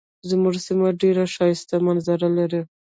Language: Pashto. زمونږ سیمه ډیرې ښایسته منظرې لري.